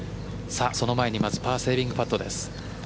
その前にまずパーセービングパットです。